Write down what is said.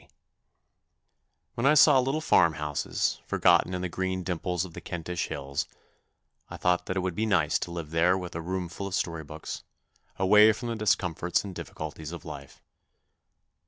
THE NEW BOY 49 When I saw little farm houses, forgotten in the green dimples of the Kentish hills, I thought that it would be nice to live there with a room full of story books, away from the discomforts and difficulties of life.